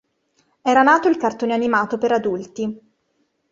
Era nato il cartone animato per adulti.